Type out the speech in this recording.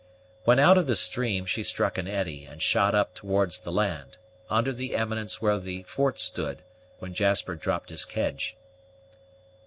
When out of the stream, she struck an eddy and shot up towards the land, under the eminence where the fort stood, when Jasper dropped his kedge.